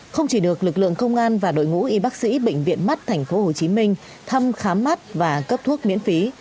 không chỉ được lực lượng công an và đội ngũ y bác sĩ bệnh viện mắt tp hcm thăm khám mắt và cấp thuốc miễn phí